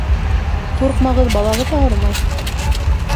Ҡурҡмағыҙ, балағыҙ ауырымай.